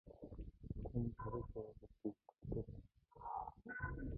Гүн Парис яваагүйд би итгэлтэй байна.